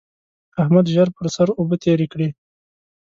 احمد ژر ژر پر سر اوبه تېرې کړې.